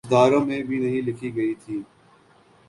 ستاروں میں بھی نہیں لکھی گئی تھی۔